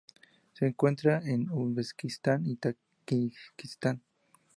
Se encuentra en Uzbekistán y Tayikistán.